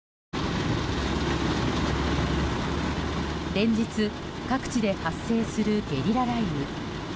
連日、各地で発生するゲリラ雷雨。